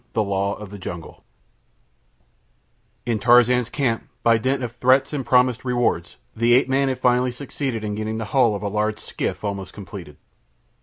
The Law of the Jungle In Tarzan's camp, by dint of threats and promised rewards, the ape man had finally succeeded in getting the hull of a large skiff almost completed.